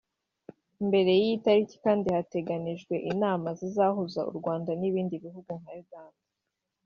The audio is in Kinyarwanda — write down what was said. Mbere y’iyi tariki kandi hateganijwe inama zizahuza u Rwanda n’ibindi bihugu nka Uganda